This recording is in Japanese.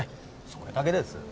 それだけです。